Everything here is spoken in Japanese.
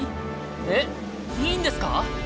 えっいいんですか？